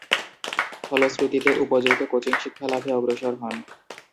ফলশ্রুতিতে, উপযুক্ত কোচিং শিক্ষা লাভে অগ্রসর হন।